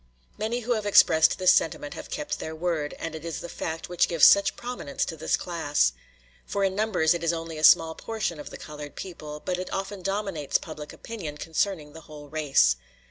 Many who have expressed that sentiment have kept their word, and it is that fact which gives such prominence to this class; for in numbers it is only a small proportion of the colored people, but it often dominates public opinion concerning the whole race.